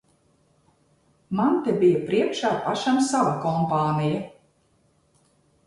Man te bija priekšā pašam sava kompānija.